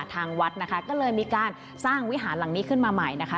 ทางวัดนะคะก็เลยมีการสร้างวิหารหลังนี้ขึ้นมาใหม่นะคะ